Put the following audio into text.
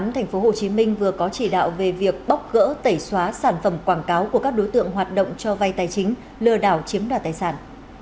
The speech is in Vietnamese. một trăm ba mươi tám tp hcm vừa có chỉ đạo về việc bóc gỡ tẩy xóa sản phẩm quảng cáo của các đối tượng hoạt động cho vay tài chính lừa đảo chiếm đoạt tài sản